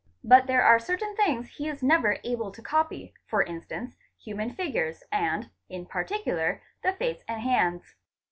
But there are certain things he is never able to copy, for instance human figures and SEALS ON LETTERS, ETC. 789 in particular the face and hands.